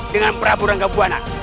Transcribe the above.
dengan peraburan kebuanan